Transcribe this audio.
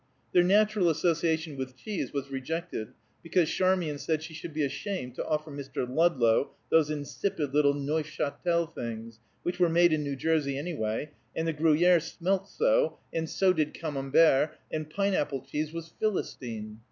Their natural association with cheese was rejected because Charmian said she should be ashamed to offer Mr. Ludlow those insipid little Neufchatel things, which were made in New Jersey, anyway, and the Gruyère smelt so, and so did Camembert; and pine apple cheese was Philistine.